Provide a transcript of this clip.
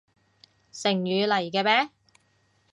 成語嚟嘅咩？